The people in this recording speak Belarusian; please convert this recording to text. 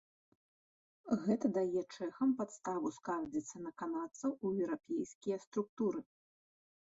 Гэта дае чэхам падставу скардзіцца на канадцаў у еўрапейскія структуры.